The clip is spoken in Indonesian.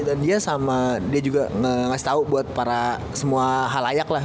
dan dia sama dia juga ngekasih tau buat para semua halayak lah